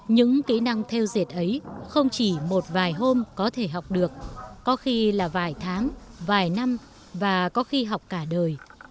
những kỹ năng theo dệt ấy không chỉ một vài hôm có thể học được có khi là vài tháng vài năm và có khi học cả đời